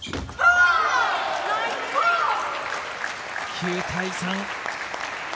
９対３。